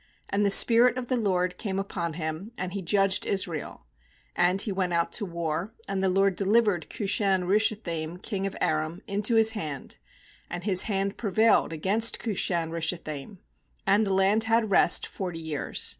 10And the spirit of the LORD came upon him, and he judged Israel; and he went out to war, and the LORD delivered Cushan rishathaim king of Aram into his hand; and his hand prevailed against Cushan rishathaim. "And the land had rest forty years.